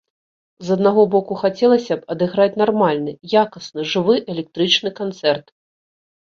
З аднаго боку, хацелася б адыграць нармальны, якасны, жывы, электрычны канцэрт.